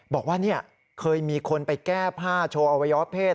บอกว่าเคยมีคนไปแก้ผ้าโชว์อวัยวะเพศ